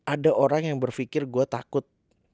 ada orang yang berpikir gue takut